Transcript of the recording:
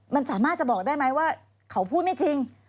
มันสามารถจะบอกได้ไหมว่าเขาพูดไม่จริง